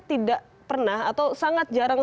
tidak pernah atau sangat jarang